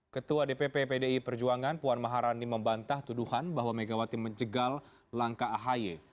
ketua dpp pdi perjuangan puan maharani membantah tuduhan bahwa megawati menjegal langkah ahy